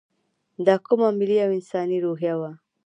دا کومه ملي او انساني روحیه وه.